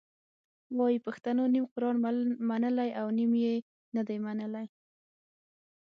وایي پښتنو نیم قرآن منلی او نیم یې نه دی منلی.